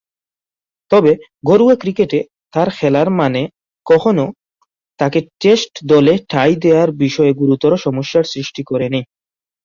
তবে, ঘরোয়া ক্রিকেটে তার খেলার মানে কখনো তাকে টেস্ট দলে ঠাঁই দেয়ার বিষয়ে গুরুতর সমস্যার সৃষ্টি করেনি।